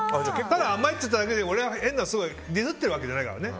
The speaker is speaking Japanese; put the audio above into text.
ただ甘いって言っただけでディスってるわけじゃないからね。